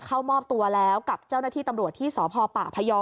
เข้ามอบตัวแล้วกับเจ้าหน้าที่ตำรวจที่สพปพยอ